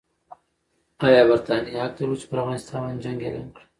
ایا برټانیې حق درلود چې پر افغانستان باندې جنګ اعلان کړي؟